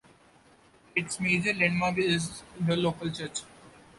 Its major landmark is the local church.